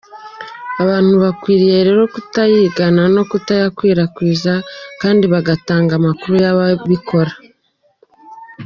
Abantu bakwiriye rero kutayigana no kutayakwirakwiza, kandi bagatanga amakuru y’ababikora."